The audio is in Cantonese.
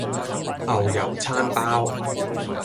牛油餐包